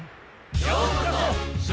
ようこそ！